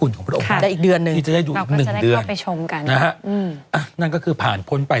และท่านอีกเดือนหนึ่งนึงเดือนกันก็คือผ่านพนไป